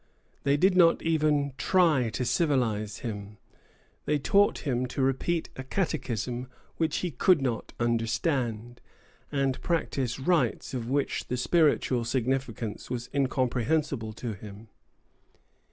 They did not even try to civilize him. They taught him to repeat a catechism which he could not understand, and practise rites of which the spiritual significance was incomprehensible to him.